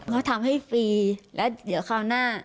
เขาทำให้ฟรีแล้วเดี๋ยวคราวหน้า